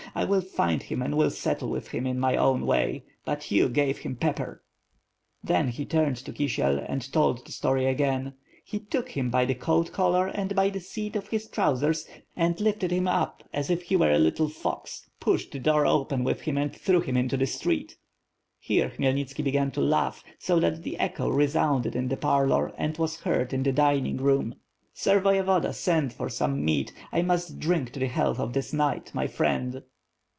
I will find him and will settle with him in my own way. But you gave him pepper." Then he turned to Kisiel and told the story again. *'He took him by the coat collar and by the seat of his 6 14 WiTH FIRE AND SWORD, trousers, and lifted him up as if he were a little fox; pushed the door open with him, and threw him into the street/* Here Khmyelnitski began to laugh^ so that the echo re sounded in the parlor and was heard in the dining room. "Sir voyevoda, send for some mead, I must drink to the health of this knight, my friend."